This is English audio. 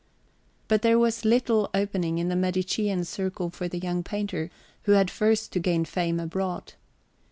But there was little opening in the Medicean circle for the young painter, who had first to gain fame abroad.